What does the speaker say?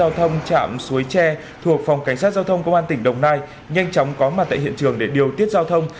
giao thông chạm suối tre thuộc phòng cảnh sát giao thông công an tỉnh đồng nai nhanh chóng có mặt tại hiện trường để điều tiết giao thông